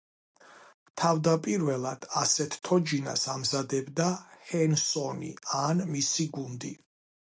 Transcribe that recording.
თავდაპირველად ასეთ თოჯინას ამზადებდა ჰენსონი ან მისი გუნდი.